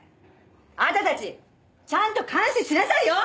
あなたたちちゃんと監視しなさいよ！